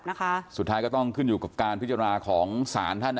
นะคะสุดท้ายก็ต้องขึ้นอยู่กับการพิจารณาของศาลท่าน